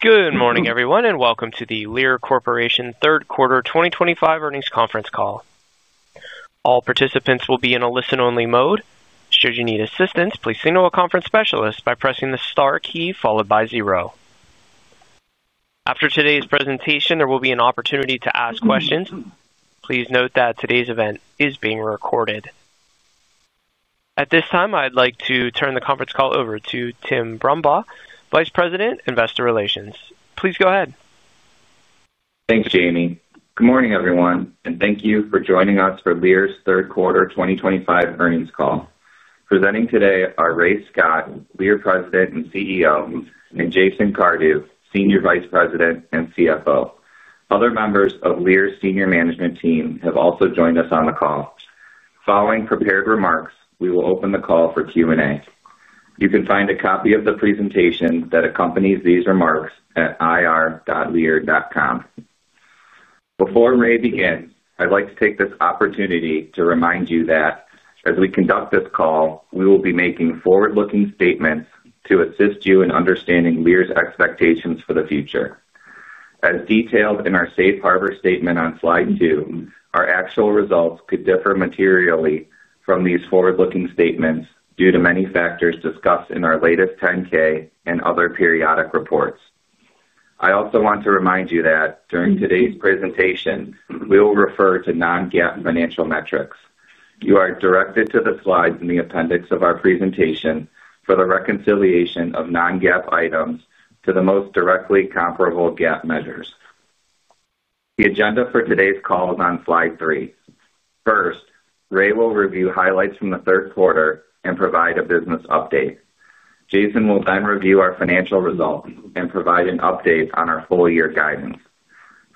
Good morning, everyone, and welcome to the Lear Corporation third quarter 2025 earnings conference call. All participants will be in a listen-only mode. Should you need assistance, please signal a conference specialist by pressing the star key followed by zero. After today's presentation, there will be an opportunity to ask questions. Please note that today's event is being recorded. At this time, I'd like to turn the conference call over to Tim Brumbaugh, Vice President, Investor Relations. Please go ahead. Thanks, Jamie. Good morning, everyone, and thank you for joining us for Lear's third quarter 2025 earnings call. Presenting today are Ray Scott, Lear President and CEO, and Jason Cardew, Senior Vice President and CFO. Other members of Lear's senior management team have also joined us on the call. Following prepared remarks, we will open the call for Q&A. You can find a copy of the presentation that accompanies these remarks at ir.lear.com. Before Ray begins, I'd like to take this opportunity to remind you that as we conduct this call, we will be making forward-looking statements to assist you in understanding Lear's expectations for the future. As detailed in our Safe Harbor statement on slide two, our actual results could differ materially from these forward-looking statements due to many factors discussed in our latest 10-K and other periodic reports. I also want to remind you that during today's presentation, we will refer to non-GAAP financial metrics. You are directed to the slides in the appendix of our presentation for the reconciliation of non-GAAP items to the most directly comparable GAAP measures. The agenda for today's call is on slide three. First, Ray will review highlights from the third quarter and provide a business update. Jason will then review our financial results and provide an update on our full-year guidance.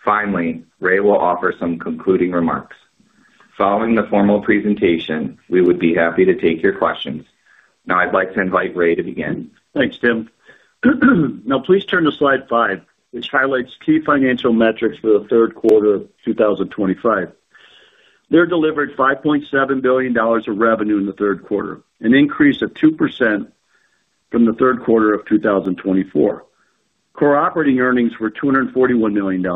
Finally, Ray will offer some concluding remarks. Following the formal presentation, we would be happy to take your questions. Now, I'd like to invite Ray to begin. Thanks, Tim. Now, please turn to slide five, which highlights key financial metrics for the third quarter of 2025. Lear delivered $5.7 billion of revenue in the third quarter, an increase of 2% from the third quarter of 2024. Core operating earnings were $241 million,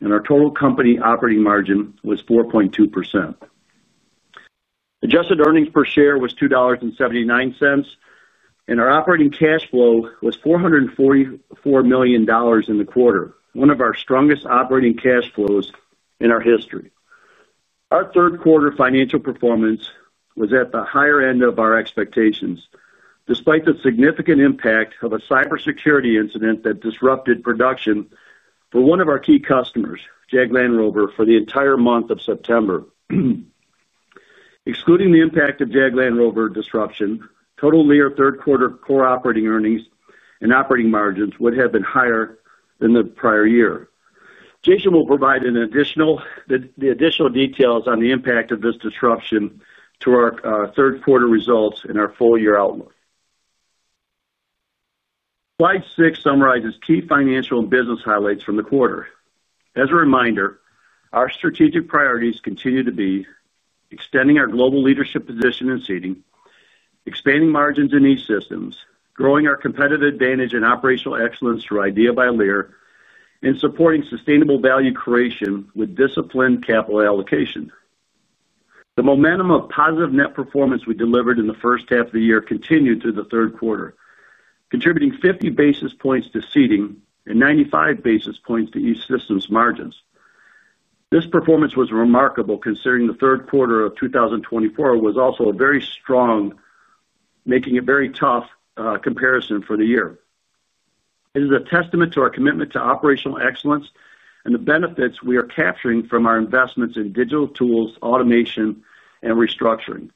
and our total company operating margin was 4.2%. Adjusted earnings per share was $2.79, and our operating cash flow was $444 million in the quarter, one of our strongest operating cash flows in our history. Our third quarter financial performance was at the higher end of our expectations, despite the significant impact of a cybersecurity incident that disrupted production for one of our key customers, Jaguar Land Rover, for the entire month of September. Excluding the impact of the Jaguar Land Rover disruption, total Lear third quarter core operating earnings and operating margins would have been higher than the prior year. Jason will provide the additional details on the impact of this disruption to our third quarter results and our full-year outlook. Slide six summarizes key financial and business highlights from the quarter. As a reminder, our strategic priorities continue to be extending our global leadership position in seating, expanding margins in E-Systems, growing our competitive advantage and operational excellence through IDEA by Lear, and supporting sustainable value creation with disciplined capital allocation. The momentum of positive net performance we delivered in the first half of the year continued through the third quarter, contributing 50 basis points to seating and 95 basis points to E-Systems margins. This performance was remarkable, considering the third quarter of 2024 was also very strong, making it a very tough comparison for the year. It is a testament to our commitment to operational excellence and the benefits we are capturing from our investments in digital tools, automation, and restructuring.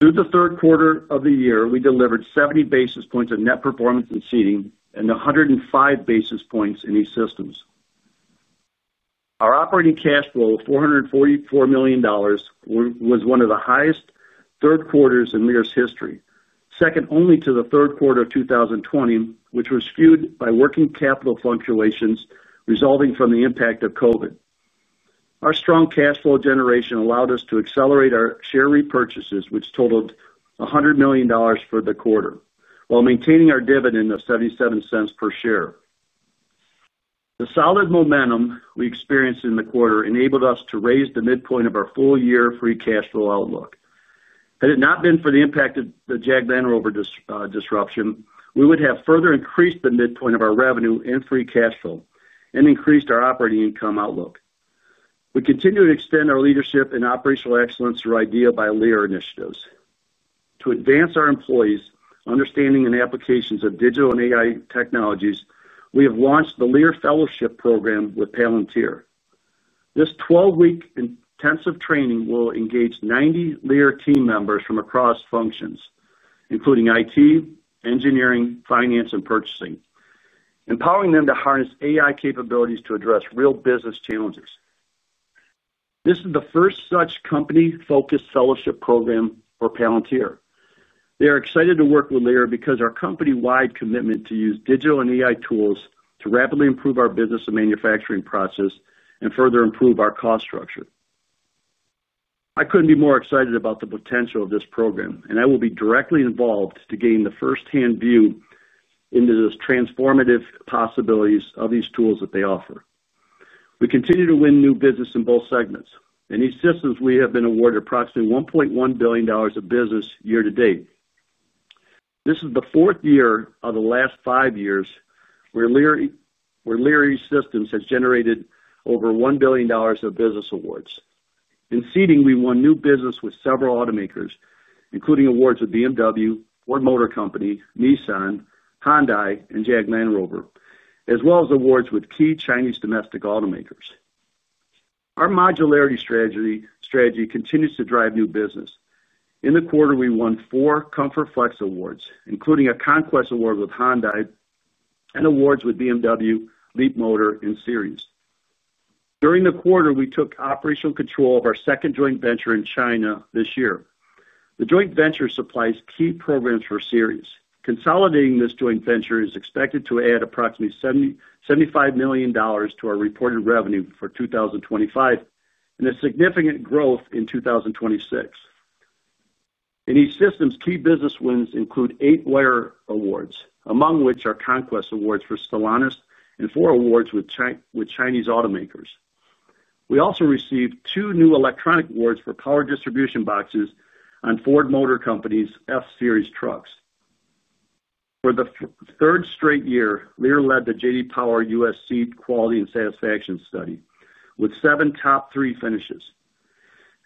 Through the third quarter of the year, we delivered 70 basis points of net performance in seating and 105 basis points in E-Systems. Our operating cash flow of $444 million was one of the highest third quarters in Lear's history, second only to the third quarter of 2020, which was skewed by working capital fluctuations resulting from the impact of COVID. Our strong cash flow generation allowed us to accelerate our share repurchases, which totaled $100 million for the quarter, while maintaining our dividend of $0.77 per share. The solid momentum we experienced in the quarter enabled us to raise the midpoint of our full-year free cash flow outlook. Had it not been for the impact of the Jaguar Land Rover disruption, we would have further increased the midpoint of our revenue and free cash flow and increased our operating income outlook. We continue to extend our leadership and operational excellence through IDEA by Lear initiatives. To advance our employees' understanding and applications of digital and AI technologies, we have launched the Lear fellowship program with Palantir. This 12-week intensive training will engage 90 Lear team members from across functions, including IT, engineering, finance, and purchasing, empowering them to harness AI capabilities to address real business challenges. This is the first such company-focused fellowship program for Palantir. They are excited to work with Lear because of our company-wide commitment to use digital and AI tools to rapidly improve our business and manufacturing process and further improve our cost structure. I couldn't be more excited about the potential of this program, and I will be directly involved to gain the firsthand view into the transformative possibilities of these tools that they offer. We continue to win new business in both segments, and in E-Systems we have been awarded approximately $1.1 billion of business year to date. This is the fourth year of the last five years where Lear E-Systems has generated over $1 billion of business awards. In Seating, we won new business with several automakers, including awards with BMW, Ford Motor Company, Nissan, Hyundai, and Jaguar Land Rover, as well as awards with key Chinese domestic automakers. Our modularity strategy continues to drive new business. In the quarter, we won four ComfortFlex awards, including a Conquest award with Hyundai and awards with BMW, Leapmotor, and Seres. During the quarter, we took operational control of our second joint venture in China this year. The joint venture supplies key programs for Seres. Consolidating this joint venture is expected to add approximately $75 million to our reported revenue for 2025 and a significant growth in 2026. In E-Systems, key business wins include eight wire awards, among which are Conquest awards for Stellantis and four awards with Chinese automakers. We also received two new electronic awards for power distribution boxes on Ford Motor Company's F-Series trucks. For the third straight year, Lear led the J.D. Power USC quality and satisfaction study with seven top three finishes.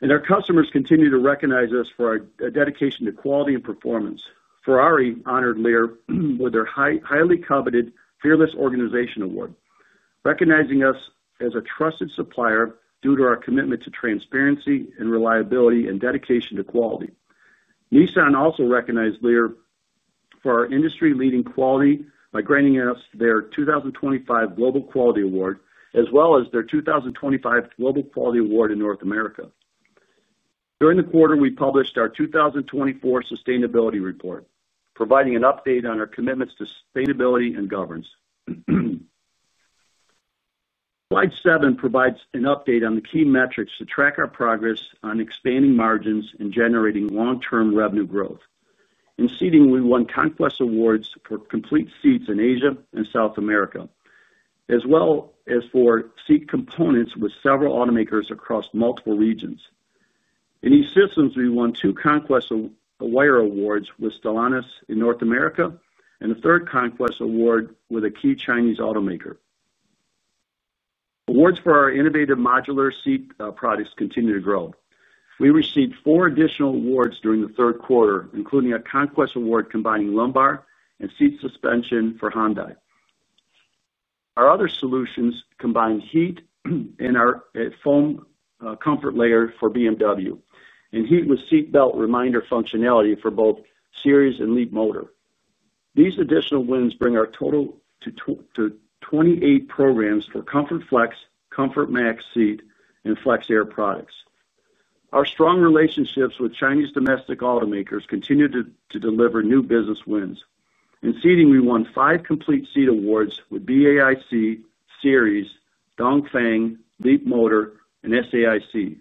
Our customers continue to recognize us for our dedication to quality and performance. Ferrari honored Lear with their highly coveted Fearless Organization Award, recognizing us as a trusted supplier due to our commitment to transparency and reliability and dedication to quality. Nissan also recognized Lear for our industry-leading quality by granting us their 2025 Global Quality Award, as well as their 2025 Global Quality Award in North America. During the quarter, we published our 2024 sustainability report, providing an update on our commitments to sustainability and governance. Slide seven provides an update on the key metrics to track our progress on expanding margins and generating long-term revenue growth. In seating, we won Conquest awards for complete seats in Asia and South America, as well as for seat components with several automakers across multiple regions. In E-Systems, we won two Conquest wire awards with Stellantis in North America and a third Conquest award with a key Chinese automaker. Awards for our innovative modular seat products continue to grow. We received four additional awards during the third quarter, including a Conquest award combining lumbar and seat suspension for Hyundai. Our other solutions combine heat and our foam comfort layer for BMW and heat with seat belt reminder functionality for both Seres and Leapmotor. These additional wins bring our total to 28 programs for ComfortFlex, ComfortMax Seat, and FlexAir products. Our strong relationships with Chinese domestic automakers continue to deliver new business wins. In seating, we won five complete seat awards with BAIC, Seres, Dongfeng, Leapmotor, and SAIC.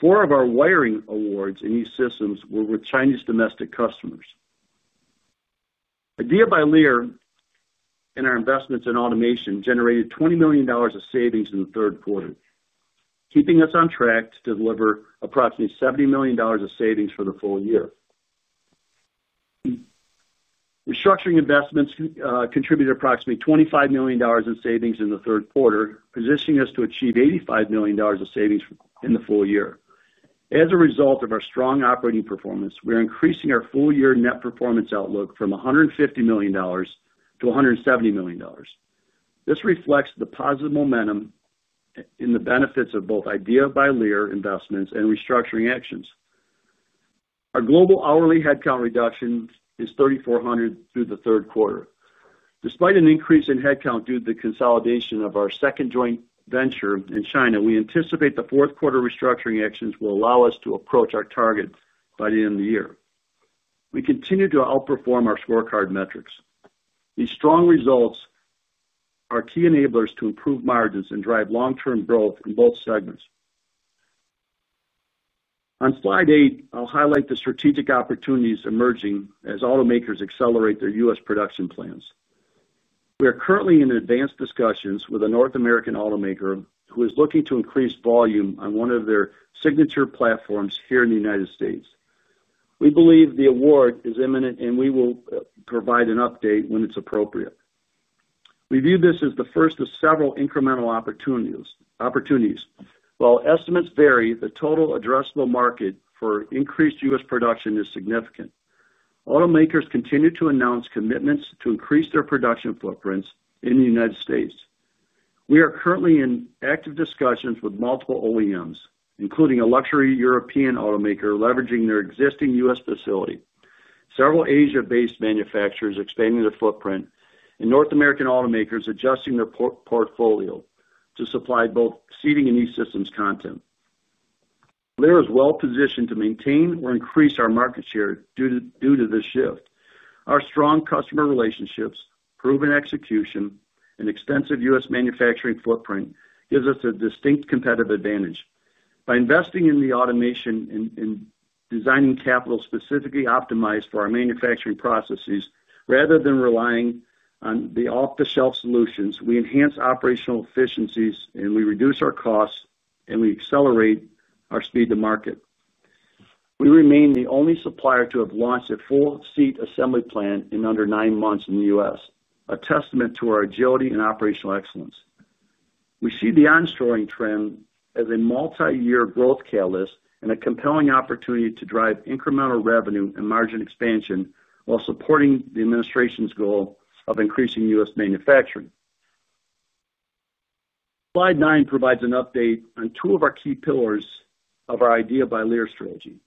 Four of our wiring awards in E-Systems were with Chinese domestic customers. IDEA by Lear and our investments in automation generated $20 million of savings in the third quarter, keeping us on track to deliver approximately $70 million of savings for the full year. Restructuring investments contributed approximately $25 million in savings in the third quarter, positioning us to achieve $85 million of savings in the full year. As a result of our strong operating performance, we're increasing our full-year net performance outlook from $150 million to $170 million. This reflects the positive momentum in the benefits of both IDEA by Lear investments and restructuring actions. Our global hourly headcount reduction is 3,400 through the third quarter. Despite an increase in headcount due to the consolidation of our second joint venture in China, we anticipate the fourth quarter restructuring actions will allow us to approach our target by the end of the year. We continue to outperform our scorecard metrics. These strong results are key enablers to improve margins and drive long-term growth in both segments. On slide eight, I'll highlight the strategic opportunities emerging as automakers accelerate their U.S. production plans. We are currently in advanced discussions with a North American automaker who is looking to increase volume on one of their signature platforms here in the United States. We believe the award is imminent, and we will provide an update when it's appropriate. We view this as the first of several incremental opportunities. While estimates vary, the total addressable market for increased U.S. production is significant. Automakers continue to announce commitments to increase their production footprints in the United States. We are currently in active discussions with multiple OEMs, including a luxury European automaker leveraging their existing U.S. facility, several Asia-based manufacturers expanding their footprint, and North American automakers adjusting their portfolio to supply both seating and E-Systems content. Lear is well-positioned to maintain or increase our market share due to this shift. Our strong customer relationships, proven execution, and extensive U.S. manufacturing footprint give us a distinct competitive advantage. By investing in the automation and designing capital specifically optimized for our manufacturing processes, rather than relying on the off-the-shelf solutions, we enhance operational efficiencies, reduce our costs, and accelerate our speed to market. We remain the only supplier to have launched a full seat assembly plan in under nine months in the U.S., a testament to our agility and operational excellence. We see the onshoring trend as a multi-year growth catalyst and a compelling opportunity to drive incremental revenue and margin expansion while supporting the administration's goal of increasing U.S. manufacturing. Slide nine provides an update on two of our key pillars of our IDEA by Lear strategy.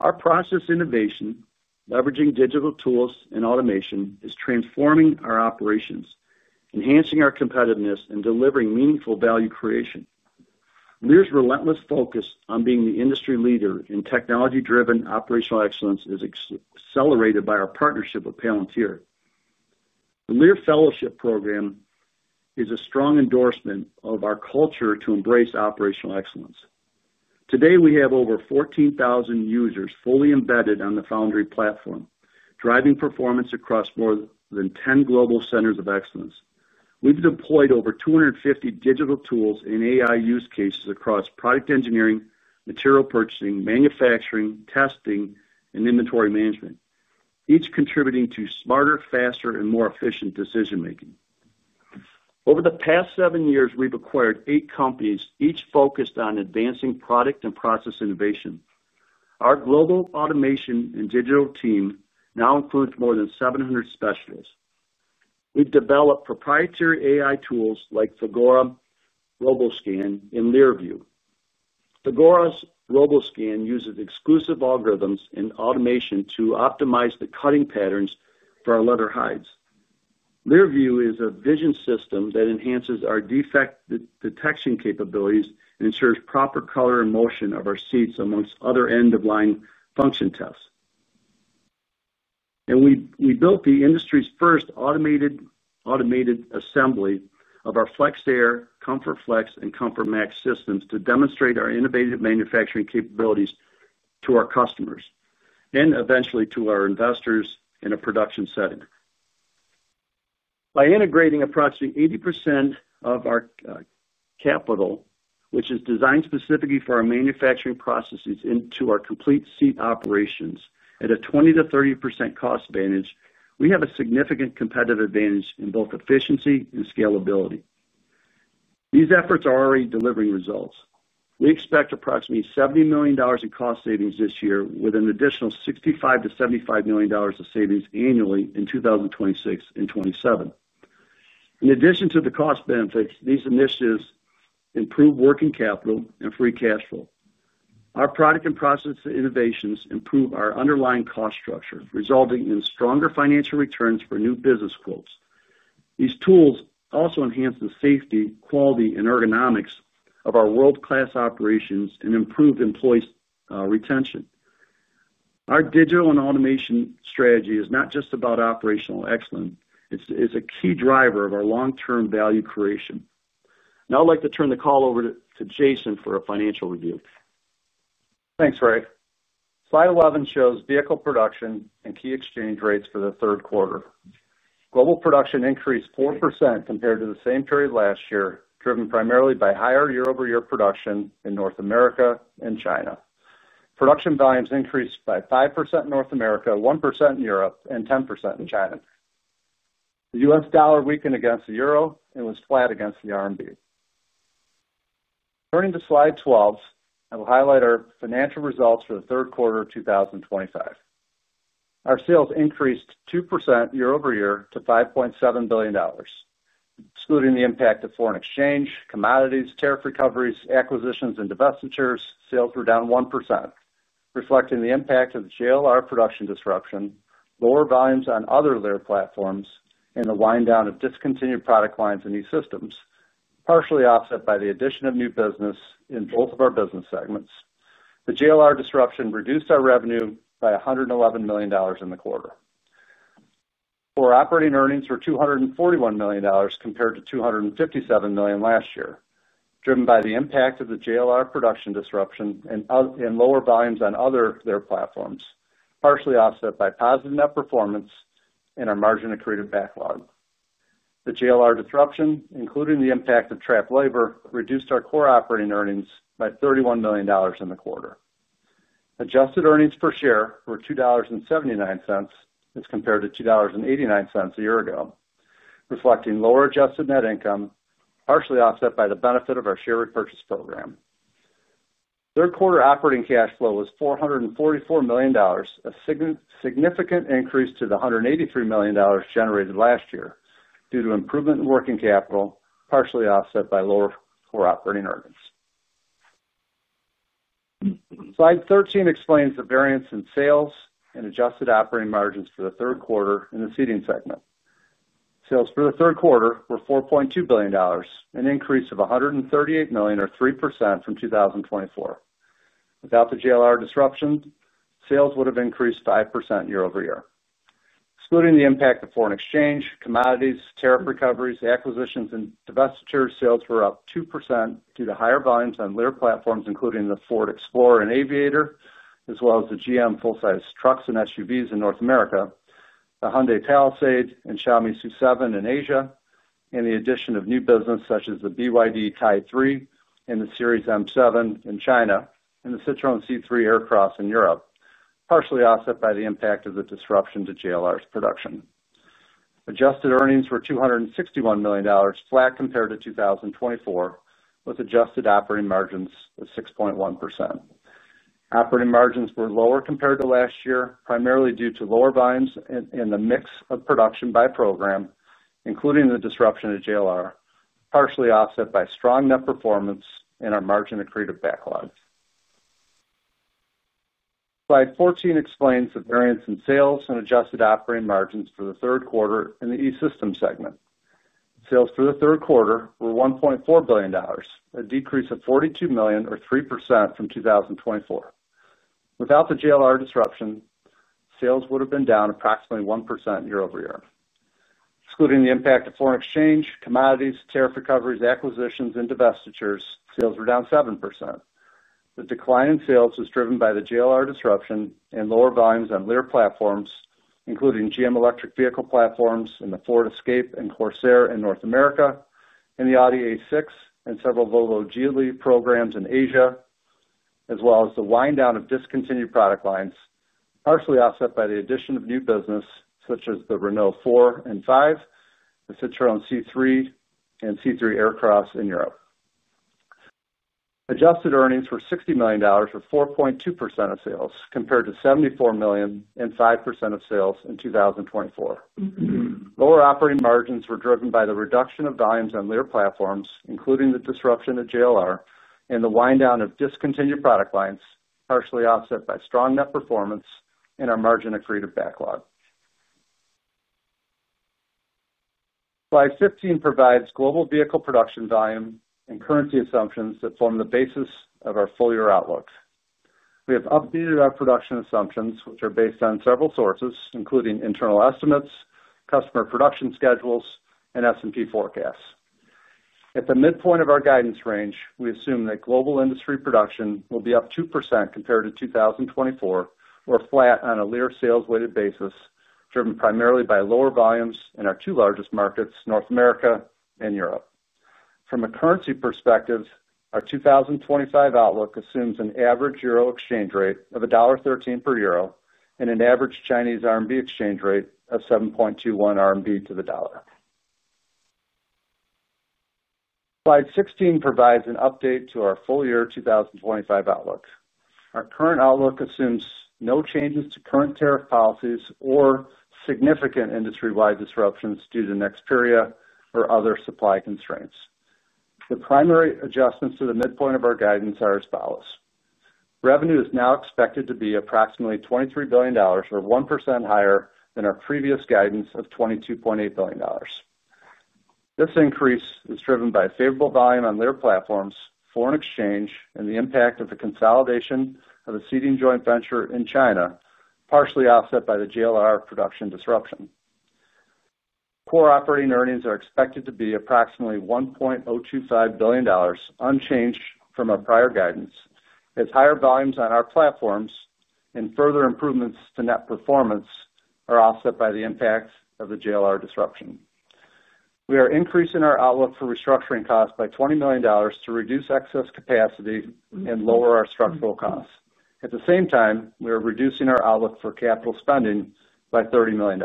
Our process innovation, leveraging digital tools and automation, is transforming our operations, enhancing our competitiveness, and delivering meaningful value creation. Lear's relentless focus on being the industry leader in technology-driven operational excellence is accelerated by our partnership with Palantir. The Lear fellowship program is a strong endorsement of our culture to embrace operational excellence. Today, we have over 14,000 users fully embedded on the Foundry platform, driving performance across more than 10 global centers of excellence. We've deployed over 250 digital tools and AI use cases across product engineering, material purchasing, manufacturing, testing, and inventory management, each contributing to smarter, faster, and more efficient decision-making. Over the past seven years, we've acquired eight companies, each focused on advancing product and process innovation. Our global automation and digital team now includes more than 700 specialists. We've developed proprietary AI tools like Thagora, RoboSCAN, and [LearView]. Thagora's RoboSCAN uses exclusive algorithms and automation to optimize the cutting patterns for our leather hides. [LearView] is a vision system that enhances our defect detection capabilities and ensures proper color and motion of our seats, amongst other end-of-line function tests. We built the industry's first automated assembly of our FlexAir, ComfortFlex, and ComfortMax systems to demonstrate our innovative manufacturing capabilities to our customers and eventually to our investors in a production setting. By integrating approximately 80% of our capital, which is designed specifically for our manufacturing processes, into our complete seat operations at a 20%-30% cost advantage, we have a significant competitive advantage in both efficiency and scalability. These efforts are already delivering results. We expect approximately $70 million in cost savings this year, with an additional $65 million-$75 million of savings annually in 2026 and 2027. In addition to the cost benefits, these initiatives improve working capital and free cash flow. Our product and process innovations improve our underlying cost structure, resulting in stronger financial returns for new business quotes. These tools also enhance the safety, quality, and ergonomics of our world-class operations and improve employee retention. Our digital and automation strategy is not just about operational excellence; it's a key driver of our long-term value creation. Now I'd like to turn the call over to Jason for a financial review. Thanks, Ray. Slide 11 shows vehicle production and key exchange rates for the third quarter. Global production increased 4% compared to the same period last year, driven primarily by higher year-over-year production in North America and China. Production volumes increased by 5% in North America, 1% in Europe, and 10% in China. The U.S. dollar weakened against the euro and was flat against the RMB. Turning to slide 12, I will highlight our financial results for the third quarter of 2025. Our sales increased 2% year-over-year to $5.7 billion. Excluding the impact of foreign exchange, commodities, tariff recoveries, acquisitions, and divestitures, sales were down 1%, reflecting the impact of the JLR production disruption, lower volumes on other Lear platforms, and the wind down of discontinued product lines in E-Systems, partially offset by the addition of new business in both of our business segments. The JLR disruption reduced our revenue by $111 million in the quarter. Our operating earnings were $241 million compared to $257 million last year, driven by the impact of the JLR production disruption and lower volumes on other Lear platforms, partially offset by positive net performance and our margin of creative backlog. The JLR disruption, including the impact of trapped labor, reduced our core operating earnings by $31 million in the quarter. Adjusted earnings per share were $2.79 as compared to $2.89 a year ago, reflecting lower adjusted net income, partially offset by the benefit of our share repurchase program. Third quarter operating cash flow was $444 million, a significant increase to the $183 million generated last year due to improvement in working capital, partially offset by lower core operating earnings. Slide 13 explains the variance in sales and adjusted operating margins for the third quarter in the Seating segment. Sales for the third quarter were $4.2 billion, an increase of $138 million, or 3%, from 2024. Without the JLR disruption, sales would have increased 5% year-over-year. Excluding the impact of foreign exchange, commodities, tariff recoveries, acquisitions, and divestitures, sales were up 2% due to higher volumes on Lear platforms, including the Ford Explorer and Aviator, as well as the GM full-size trucks and SUVs in North America, the Hyundai Palisade and Xiaomi SU7 in Asia, and the addition of new business such as the BYD TIE3 and the Seres M7 in China, and the Citroën C3 Aircross in Europe, partially offset by the impact of the disruption to JLR's production. Adjusted earnings were $261 million, flat compared to 2024, with adjusted operating margins of 6.1%. Operating margins were lower compared to last year, primarily due to lower volumes and the mix of production by program, including the disruption to JLR, partially offset by strong net performance and our margin of creative backlog. Slide 14 explains the variance in sales and adjusted operating margins for the third quarter in the E-Systems segment. Sales for the third quarter were $1.4 billion, a decrease of $42 million, or 3%, from 2024. Without the JLR disruption, sales would have been down approximately 1% year-over-year. Excluding the impact of foreign exchange, commodities, tariff recoveries, acquisitions, and divestitures, sales were down 7%. The decline in sales was driven by the JLR disruption and lower volumes on Lear platforms, including GM electric vehicle platforms and the Ford Escape and Corsair in North America, and the Audi A6 and several Volvo Geely programs in Asia, as well as the wind down of discontinued product lines, partially offset by the addition of new business such as the Renault 4 and 5, the Citroën C3, and C3 Aircross in Europe. Adjusted earnings were $60 million, or 4.2% of sales, compared to $74 million and 5% of sales in 2024. Lower operating margins were driven by the reduction of volumes on Lear platforms, including the disruption to JLR, and the wind down of discontinued product lines, partially offset by strong net performance and our margin of creative backlog. Slide 15 provides global vehicle production volume and currency assumptions that form the basis of our full-year outlook. We have updated our production assumptions, which are based on several sources, including internal estimates, customer production schedules, and S&P forecasts. At the midpoint of our guidance range, we assume that global industry production will be up 2% compared to 2024, or flat on a Lear sales-weighted basis, driven primarily by lower volumes in our two largest markets, North America and Europe. From a currency perspective, our 2025 outlook assumes an average euro exchange rate of $1.13 per euro and an average Chinese RMB exchange rate of 7.21 RMB to the dollar. Slide 16 provides an update to our full-year 2025 outlook. Our current outlook assumes no changes to current tariff policies or significant industry-wide disruptions due to Nexperia or other supply constraints. The primary adjustments to the midpoint of our guidance are as follows. Revenue is now expected to be approximately $23 billion, or 1% higher than our previous guidance of $22.8 billion. This increase is driven by favorable volume on Lear platforms, foreign exchange, and the impact of the consolidation of a seating joint venture in China, partially offset by the JLR production disruption. Core operating earnings are expected to be approximately $1.025 billion, unchanged from our prior guidance, as higher volumes on our platforms and further improvements to net performance are offset by the impact of the JLR disruption. We are increasing our outlook for restructuring costs by $20 million to reduce excess capacity and lower our structural costs. At the same time, we are reducing our outlook for capital spending by $30 million.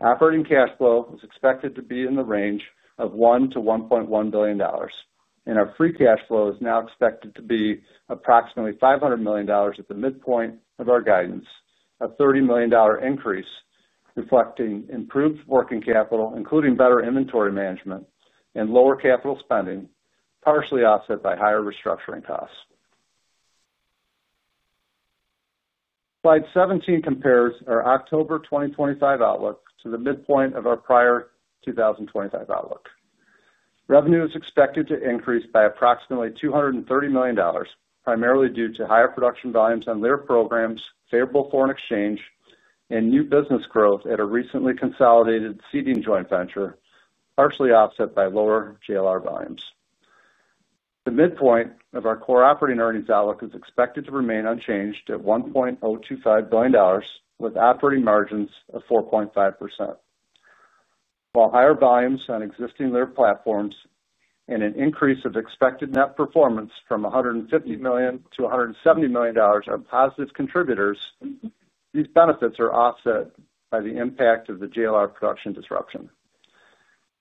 Operating cash flow is expected to be in the range of $1 billion-$1.1 billion, and our free cash flow is now expected to be approximately $500 million at the midpoint of our guidance, a $30 million increase, reflecting improved working capital, including better inventory management and lower capital spending, partially offset by higher restructuring costs. Slide 17 compares our October 2025 outlook to the midpoint of our prior 2025 outlook. Revenue is expected to increase by approximately $230 million, primarily due to higher production volumes on Lear programs, favorable foreign exchange, and new business growth at a recently consolidated seating joint venture, partially offset by lower JLR volumes. The midpoint of our core operating earnings outlook is expected to remain unchanged at $1.025 billion, with operating margins of 4.5%. While higher volumes on existing Lear platforms and an increase of expected net performance from $150 million to $170 million are positive contributors, these benefits are offset by the impact of the JLR production disruption.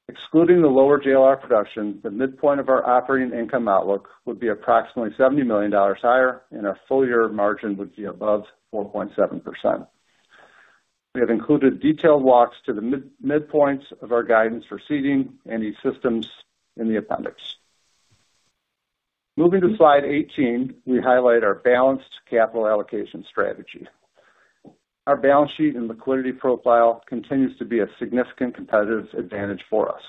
Excluding the lower JLR production, the midpoint of our operating income outlook would be approximately $70 million higher, and our full-year margin would be above 4.7%. We have included detailed walks to the midpoints of our guidance for seating and E-Systems in the appendix. Moving to slide 18, we highlight our balanced capital allocation strategy. Our balance sheet and liquidity profile continues to be a significant competitive advantage for us.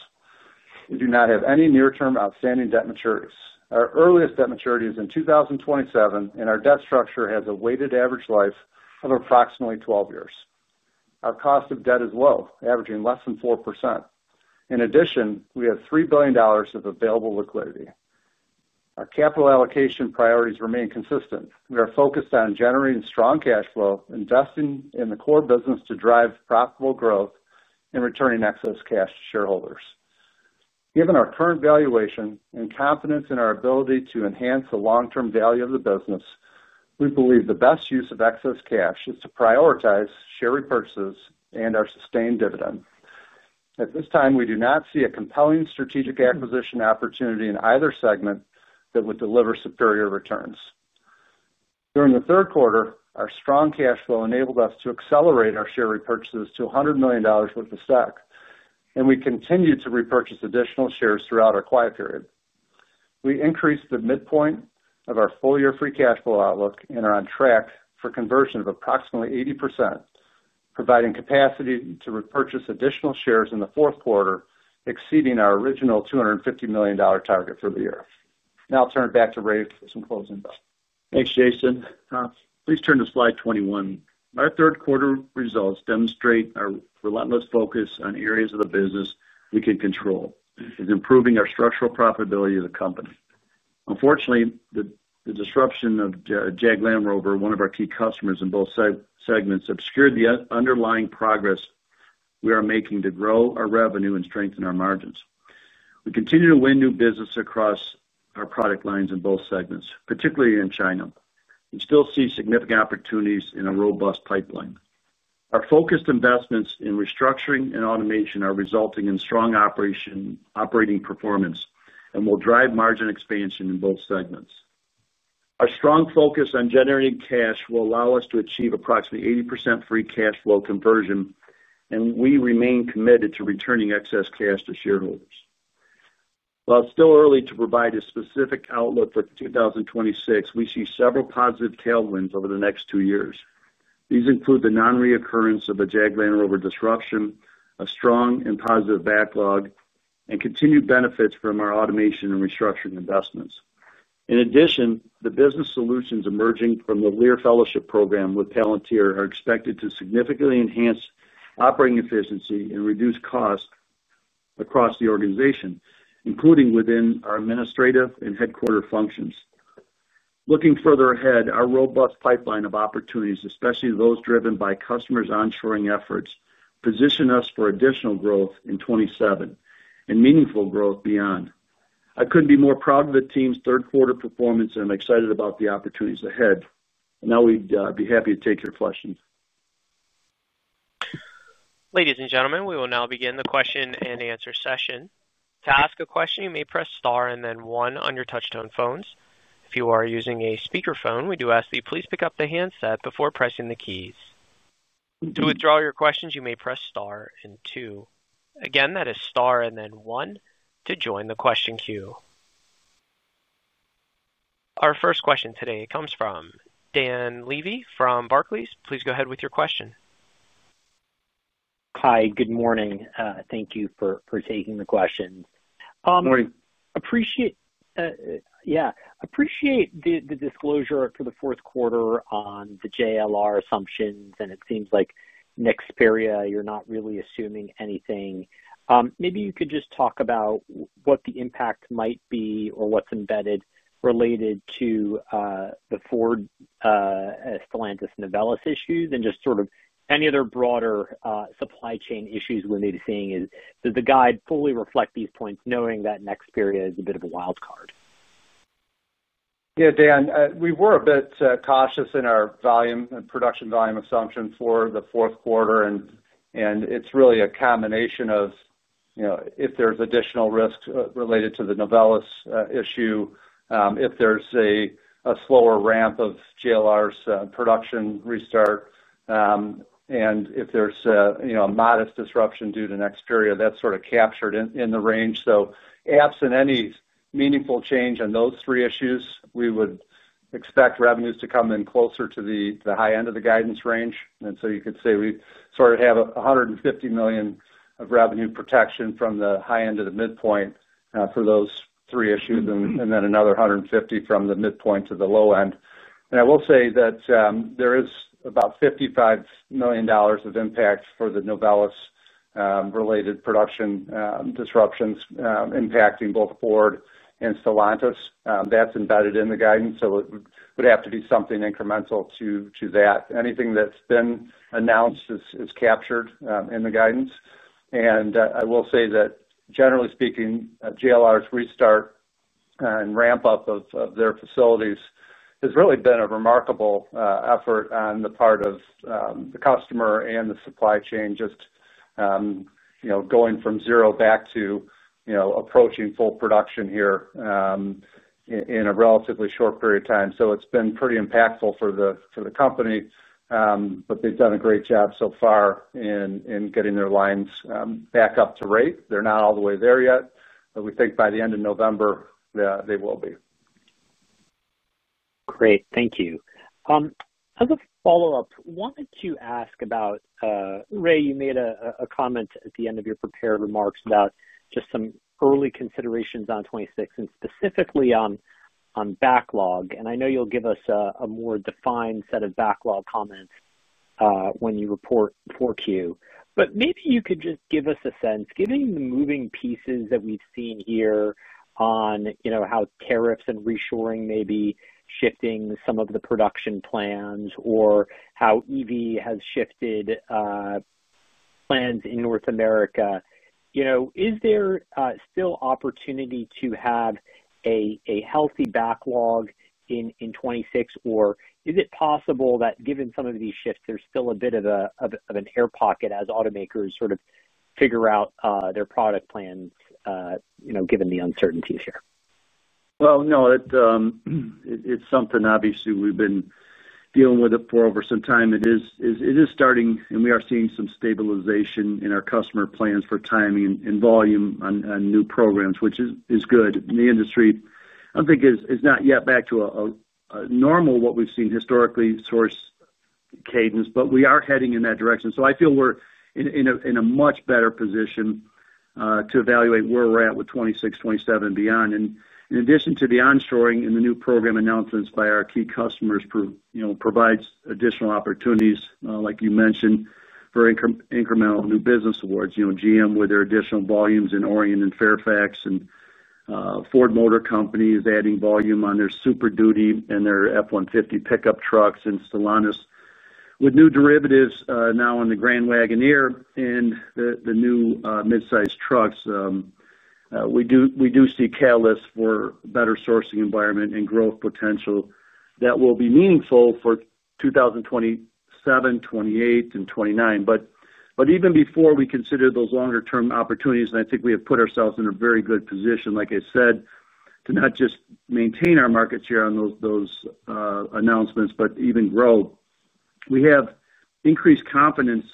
We do not have any near-term outstanding debt maturities. Our earliest debt maturity is in 2027, and our debt structure has a weighted average life of approximately 12 years. Our cost of debt is low, averaging less than 4%. In addition, we have $3 billion of available liquidity. Our capital allocation priorities remain consistent. We are focused on generating strong cash flow, investing in the core business to drive profitable growth, and returning excess cash to shareholders. Given our current valuation and confidence in our ability to enhance the long-term value of the business, we believe the best use of excess cash is to prioritize share repurchases and our sustained dividend. At this time, we do not see a compelling strategic acquisition opportunity in either segment that would deliver superior returns. During the third quarter, our strong cash flow enabled us to accelerate our share repurchases to $100 million worth of stock, and we continue to repurchase additional shares throughout our quiet period. We increased the midpoint of our full-year free cash flow outlook and are on track for conversion of approximately 80%, providing capacity to repurchase additional shares in the fourth quarter, exceeding our original $250 million target for the year. Now I'll turn it back to Ray for some closing thoughts. Thanks, Jason. Please turn to slide 21. Our third quarter results demonstrate our relentless focus on areas of the business we can control, improving our structural profitability of the company. Unfortunately, the disruption of Jaguar Land Rover, one of our key customers in both segments, obscured the underlying progress we are making to grow our revenue and strengthen our margins. We continue to win new business across our product lines in both segments, particularly in China. We still see significant opportunities in a robust pipeline. Our focused investments in restructuring and automation are resulting in strong operating performance and will drive margin expansion in both segments. Our strong focus on generating cash will allow us to achieve approximately 80% free cash flow conversion, and we remain committed to returning excess cash to shareholders. While it's still early to provide a specific outlook for 2026, we see several positive tailwinds over the next two years. These include the non-reoccurrence of the Jaguar Land Rover disruption, a strong and positive backlog, and continued benefits from our automation and restructuring investments. In addition, the business solutions emerging from the Lear fellowship program with Palantir are expected to significantly enhance operating efficiency and reduce costs across the organization, including within our administrative and headquarter functions. Looking further ahead, our robust pipeline of opportunities, especially those driven by customers' onshoring efforts, position us for additional growth in 2027 and meaningful growth beyond. I couldn't be more proud of the team's third-quarter performance, and I'm excited about the opportunities ahead. We would be happy to take your questions. Ladies and gentlemen, we will now begin the question-and-answer session. To ask a question, you may press star and then one on your touch-tone phones. If you are using a speakerphone, we do ask that you please pick up the handset before pressing the keys. To withdraw your questions, you may press star and two. Again, that is star and then one to join the question queue. Our first question today comes from Dan Levy from Barclays. Please go ahead with your question. Hi, good morning. Thank you for taking the question. Good morning. I appreciate the disclosure for the fourth quarter on the JLR assumptions, and it seems like Nexperia, you're not really assuming anything. Maybe you could just talk about what the impact might be or what's embedded related to the Ford, Stellantis, Novelis issues and just sort of any other broader supply chain issues we may be seeing. Does the guide fully reflect these points, knowing that Nexperia is a bit of a wild card? Yeah, Dan, we were a bit cautious in our production volume assumption for the fourth quarter, and it's really a combination of if there's additional risk related to the Novelis issue, if there's a slower ramp of JLR's production restart. If there's a modest disruption due to Nexperia, that's sort of captured in the range. Absent any meaningful change in those three issues, we would expect revenues to come in closer to the high end of the guidance range. You could say we sort of have $150 million of revenue protection from the high end to the midpoint for those three issues and then another $150 million from the midpoint to the low end. There is about $55 million of impact for the Novelis-related production disruptions impacting both Ford and Stellantis. That's embedded in the guidance, so it would have to be something incremental to that. Anything that's been announced is captured in the guidance. Generally speaking, JLR's restart and ramp-up of their facilities has really been a remarkable effort on the part of the customer and the supply chain, just going from zero back to approaching full production here in a relatively short period of time. It's been pretty impactful for the company, but they've done a great job so far in getting their lines back up to rate. They're not all the way there yet, but we think by the end of November they will be. Thank you. As a follow-up, I wanted to ask about, Ray, you made a comment at the end of your prepared remarks about just some early considerations on 2026 and specifically on backlog. I know you'll give us a more defined set of backlog comments when you report for Q, but maybe you could just give us a sense, given the moving pieces that we've seen here on how tariffs and reshoring may be shifting some of the production plans or how EV has shifted plans in North America. Is there still opportunity to have a healthy backlog in 2026, or is it possible that, given some of these shifts, there's still a bit of an air pocket as automakers sort of figure out their product plans given the uncertainties here? It's something, obviously, we've been dealing with for some time. It is starting, and we are seeing some stabilization in our customer plans for timing and volume on new programs, which is good. The industry, I don't think, is yet back to a normal, what we've seen historically, source cadence, but we are heading in that direction. I feel we're in a much better position to evaluate where we're at with 2026, 2027, and beyond. In addition to the onshoring and the new program announcements by our key customers, this provides additional opportunities, like you mentioned, for incremental new business awards. GM, with their additional volumes in Orion and Fairfax, and Ford Motor Company is adding volume on their Super Duty and their F-150 pickup trucks, and Stellantis, with new derivatives now on the Grand Wagoneer and the new midsize trucks. We do see catalysts for a better sourcing environment and growth potential that will be meaningful for 2027, 2028, and 2029. Even before we consider those longer-term opportunities, I think we have put ourselves in a very good position, like I said, to not just maintain our market share on those announcements, but even grow. We have increased confidence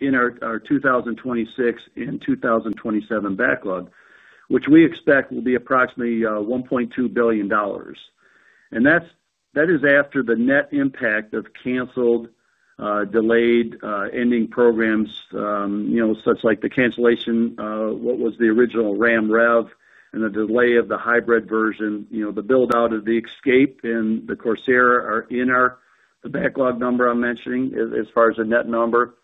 in our 2026 and 2027 backlog, which we expect will be approximately $1.2 billion. That is after the net impact of canceled and delayed ending programs, such as the cancellation of what was the original RAM REV and the delay of the hybrid version. The build-out of the Escape and the Corsair are in our backlog number I'm mentioning as far as a net number.